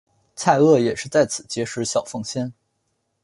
蔡锷也是在此结识小凤仙。